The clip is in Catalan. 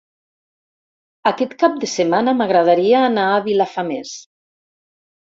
Aquest cap de setmana m'agradaria anar a Vilafamés.